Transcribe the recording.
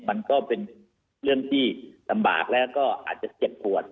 มันก็เป็นเรื่องที่ลำบากแล้วก็อาจจะเจ็บปวด